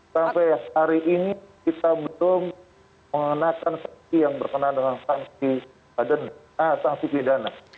sampai hari ini kita belum mengenakan sanksi yang berkenaan dengan sanksi denda sanksi pidana